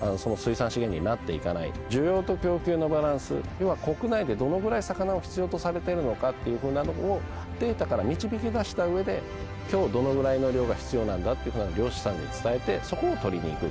需要と供給のバランス要は国内でどのぐらい魚を必要とされてるのかっていうのをデータから導き出した上で今日どのぐらいの量が必要なんだっていうふうなのを漁師さんに伝えてそこをとりに行く。